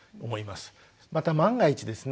また万が一ですね